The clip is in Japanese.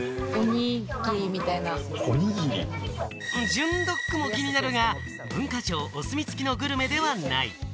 ジュンドッグも気になるが、文化庁お墨付きのグルメではない。